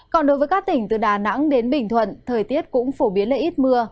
còn đối với các tỉnh từ đà nẵng đến bình thuận thời tiết cũng phổ biến là ít mưa